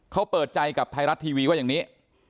เขาเปิดใจกับไทยรัฐทีวีว่าอย่างนี้